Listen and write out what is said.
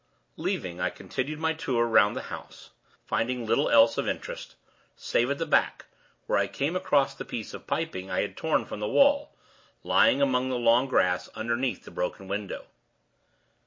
Leaving, I continued my tour 'round the house, finding little else of interest; save at the back, where I came across the piece of piping I had torn from the wall, lying among the long grass underneath the broken window.